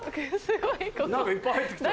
何かいっぱい入ってきた。